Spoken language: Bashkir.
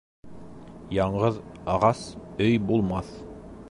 Яңғыҙ ағас өй булмаҫ.